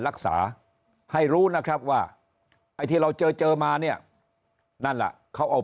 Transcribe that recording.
รักษาให้รู้นะครับว่าไอ้ที่เราเจอเจอมาเนี่ยนั่นแหละเขาเอา